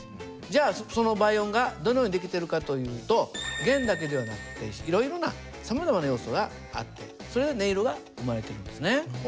じゃあその倍音がどのように出来てるかというと弦だけではなくていろいろなさまざまな要素があってそれで音色が生まれてるんですね。